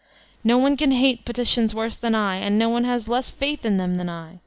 No one can hate petitions worse than I ; no one has less faith in them than I.